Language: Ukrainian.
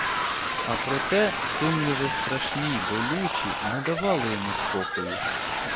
А проте сумніви, страшні, болючі, не давали йому спокою.